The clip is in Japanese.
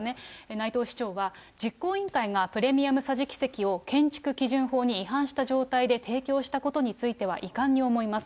内藤市長は実行委員会がプレミアム桟敷席を建築基準法に違反した状態で提供したことについては、遺憾に思います。